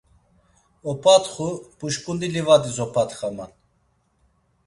Opatxu; puşǩundi livadis opatxaman.